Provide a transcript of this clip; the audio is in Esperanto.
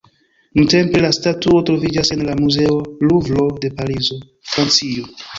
Nuntempe la statuo troviĝas en la Muzeo Luvro de Parizo, Francio.